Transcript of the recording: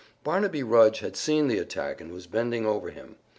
Barnaby Rudge had seen the attack and was bending over him.